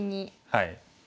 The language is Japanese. はい。